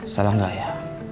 salah gak ya